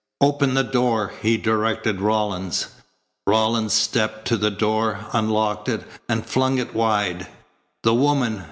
"Open the door," he directed Rawlins. Rawlins stepped to the door, unlocked it, and flung it wide. "The woman!"